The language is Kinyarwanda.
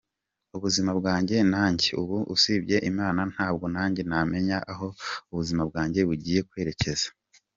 Ubuzima bwanjye najye ubu usibye Imana ntabwo nanjye namenya aho ubuzima bwanjye bugiye kwerekeza.